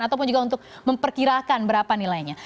ataupun juga untuk memperkirakan berapa nilainya